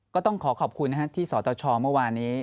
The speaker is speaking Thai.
ก็ต้องขอขอบคุณนะครับที่สตชเมื่อวานนี้